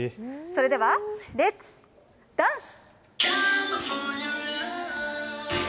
それではレッツダンス！